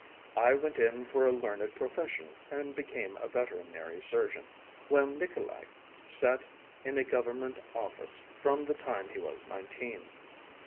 I went in for a learned profession and became a veterinary surgeon, while Nikolay sat in a government office from the time he was nineteen.